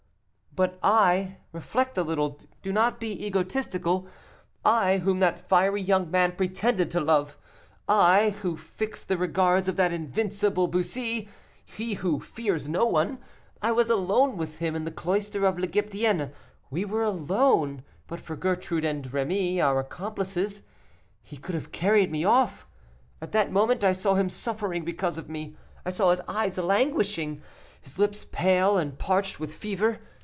"But I reflect a little, do not be egotistical I, whom that fiery young man pretended to love I, who fixed the regards of that invincible Bussy, he who fears no one I was alone with him in the cloister of l'Egyptienne we were alone; but for Gertrude and Rémy, our accomplices, he could have carried me off. At that moment I saw him suffering because of me; I saw his eyes languishing, his lips pale and parched with fever.